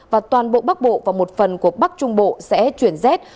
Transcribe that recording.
và toàn bộ bắc bộ và một phần của bắc trung bộ sẽ chuyển rét